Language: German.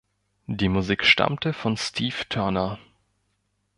Die Musik stammte von Steve Turner.